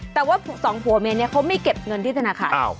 แต่ว่าสองผัวเมียนี้เขาไม่เก็บเงินที่ธนาคาร